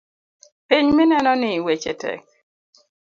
Piny minenoni weche tek .